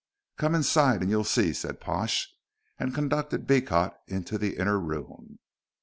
"Come inside and you'll see," said Pash, and conducted Beecot into the inner room.